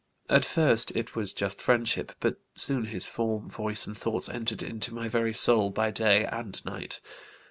At first it was just friendship, but soon his form, voice, and thoughts entered into my very soul by day and night.